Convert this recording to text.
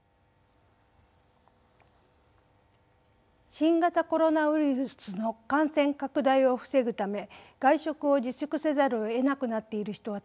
新型コロナウイルスの感染拡大を防ぐため外食を自粛せざるをえなくなっている人はたくさんいると思います。